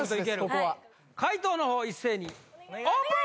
ここは解答の方一斉にオープン！